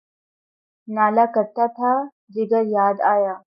نالہ کرتا تھا، جگر یاد آیا